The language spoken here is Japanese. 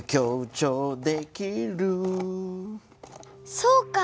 そうか。